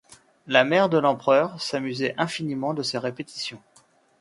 La mère de l'empereur s'amusait infiniment de ces répétitions.